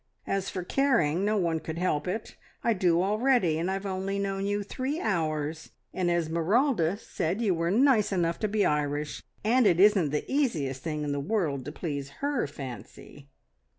As for caring no one could help it. I do already, and I've only known you three hours, and Esmeralda said you were nice enough to be Irish, and it isn't the easiest thing in the world to please her fancy."